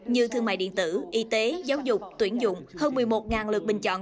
như thương mại điện tử y tế giáo dục tuyển dụng hơn một mươi một lượt bình chọn